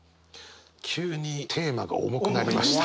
急にテーマが重くなりました。